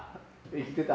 生きてた。